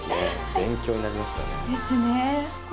勉強になりましですね。